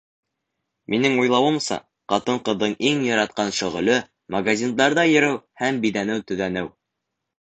Минең уйлауымса, ҡатын-ҡыҙҙың иң яратҡан шөғөлө — магазиндарҙа йөрөү һәм биҙәнеү-төҙәнеү.